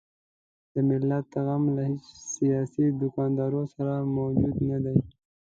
د ملت غم له هیڅ سیاسي دوکاندار سره موجود نه دی.